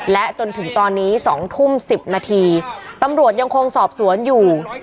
และจนถึงตอนนี้๒ทุ่ม๑๐นาทีตำรวจยังคงสอบสวนอยู่